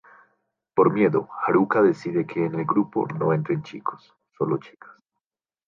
Por miedo, Haruka decide que en el grupo no entren chicos, sólo chicas.